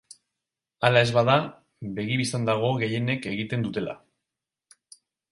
Hala ez bada, begi bistan dago gehienek egiten dutela.